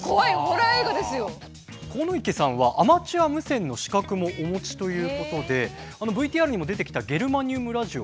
鴻池さんはアマチュア無線の資格もお持ちということでＶＴＲにも出てきたゲルマニウムラジオ身近な存在ですか？